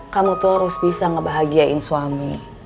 kamu tuh harus bisa ngebahagiain suami